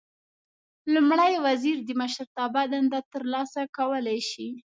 لومړی وزیر د مشرتابه دنده ترسره کولای شي.